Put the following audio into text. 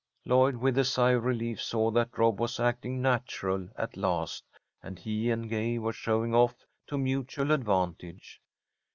Lloyd, with a sigh of relief, saw that Rob was "acting natural" at last, and he and Gay were showing off to mutual advantage.